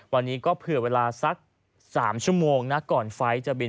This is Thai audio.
วันนี้ก็เผื่อเวลาสัก๓ชั่วโมงนะก่อนไฟล์จะบิน